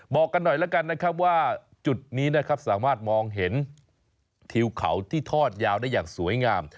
บอกกันหน่อยแล้วกันนะครับว่าจุดนี้นะครับสามารถมองเห็นทิวเขาที่ทอดยาวได้อย่างสวยงาม